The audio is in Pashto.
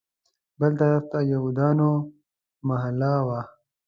بل طرف ته د یهودیانو محله وه.